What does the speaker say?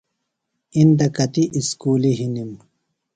اِندہ کتیۡ اُسکُلیۡ ہِنِم؟